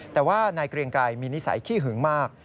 แต่ว่านายเกรียงไกรมีนิสัยขี้หึงมาก